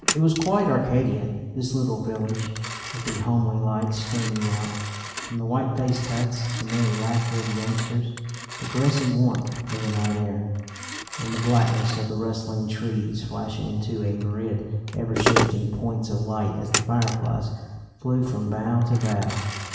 It was quite Arcadian this little village, with the homely lights streaming out from the white faced huts, the merry laughter of the youngsters, the caressing warmth of the night air, and the blackness of the rustling trees flashing into a myriad ever shifting points of light as the fireflies flew from bough to bough.